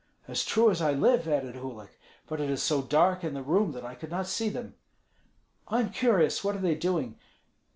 "As true as I live!" added Uhlik, "but it is so dark in the room that I could not see them." "I am curious. What are they doing?"